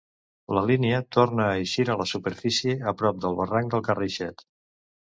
La línia torna a eixir a la superfície a prop del barranc del Carraixet.